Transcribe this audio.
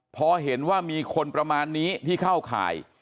พอเห็นว่ามีคนประมาณนี้ที่เข้าข่าย